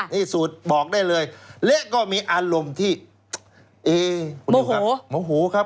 นี่สูตรบอกได้เลยและก็มีอารมณ์ที่เอ่ยโมโหโมโหครับ